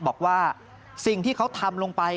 บอกว่าสิ่งที่เขาทำลงไป